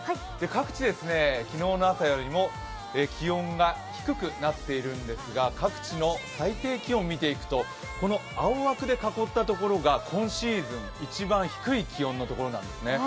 各地昨日の朝よりも気温が低くなっているんですが、各地の最低気温、見ていくと青枠で囲ったところが、今シーズン一番低い気温の所なんですね。